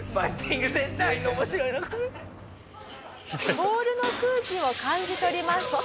ボールの空気を感じ取ります。